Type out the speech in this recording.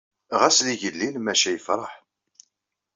Ɣas d igellil, maca yefṛeḥ.